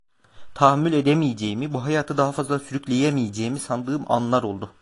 Tahammül edemeyeceğimi, bu hayatı daha fazla sürükleyemeyeceğimi sandığım anlar oldu.